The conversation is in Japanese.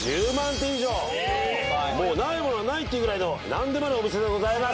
ないものはないっていうぐらいの何でもあるお店でございます。